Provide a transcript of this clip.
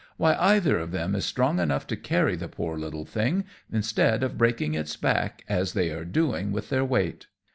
Why either of them is strong enough to carry the poor little thing, instead of breaking its back, as they are doing with their weight."